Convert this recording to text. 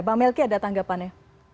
bang melky ada tanggapannya